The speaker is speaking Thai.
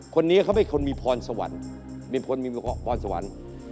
คนนี้เขาเป็นคนมีพรสวรรค์